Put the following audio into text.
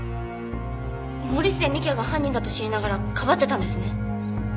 森末未来也が犯人だと知りながらかばってたんですね？